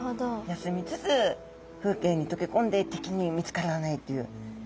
休みつつ風景にとけこんで敵に見つからないという。